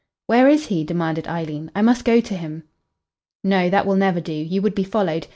"Where is he?" demanded Eileen. "I must go to him." "No, that will never do. You would be followed.